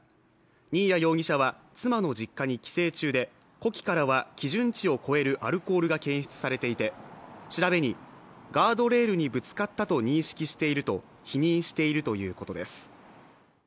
新谷容疑者は妻の実家に帰省中で、呼気からは基準値を超えるアルコールが検出されていて調べに、ガードレールにぶつかったと認識していると否認しているということです。